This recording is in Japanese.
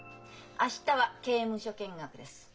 明日は刑務所見学です。